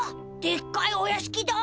でっかいおやしきだ。